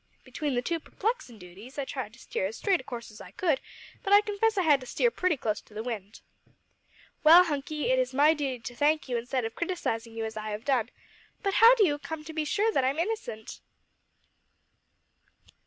Between the two perplexin' duties I tried to steer as straight a course as I could, but I confess I had to steer pretty close to the wind." "Well, Hunky, it is my duty to thank you instead of criticising you as I have done, but how do you come to be so sure that I'm innocent?"